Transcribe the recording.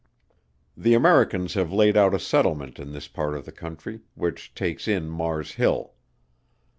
The Americans have laid out a settlement in this part of the country, which takes in Mars Hill.